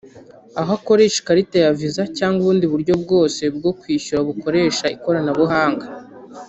aho akoresha ikarita ya Visa cyangwa ubundi buryo bwose bwo kwishyura bukoresha ikoranabuhanga